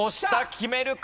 決めるか？